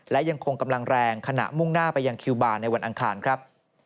และยังคงกำลังแรงขณะมุ่งหน้าไปยังคิวบาร์ในวันอังคารครับ